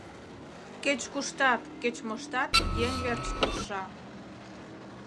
Кеч-куштат, кеч-моштат еҥ верч тырша.